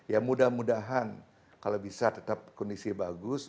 ya mudah mudahan kalau bisa tetap kondisi bagus